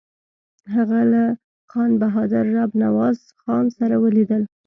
هغه له خان بهادر رب نواز خان سره ولیدل.